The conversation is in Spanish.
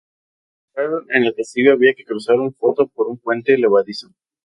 Para entrar en el castillo había que cruzar un foso por un puente levadizo.